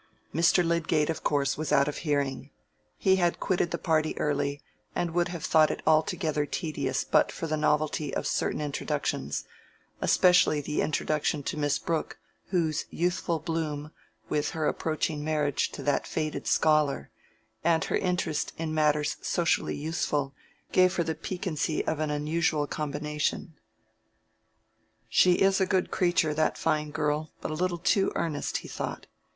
Mr. Lydgate, of course, was out of hearing. He had quitted the party early, and would have thought it altogether tedious but for the novelty of certain introductions, especially the introduction to Miss Brooke, whose youthful bloom, with her approaching marriage to that faded scholar, and her interest in matters socially useful, gave her the piquancy of an unusual combination. "She is a good creature—that fine girl—but a little too earnest," he thought.